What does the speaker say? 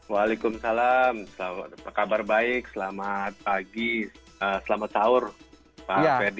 waalaikumsalam apa kabar baik selamat pagi selamat sahur pak ferdi